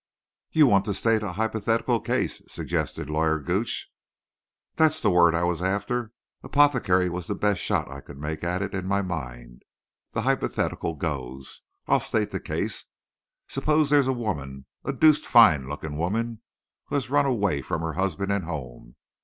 "You want to state a hypothetical case?" suggested Lawyer Gooch. "That's the word I was after. 'Apothecary' was the best shot I could make at it in my mind. The hypothetical goes. I'll state the case. Suppose there's a woman—a deuced fine looking woman—who has run away from her husband and home?